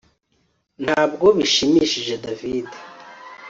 Ntabwo bishimishije David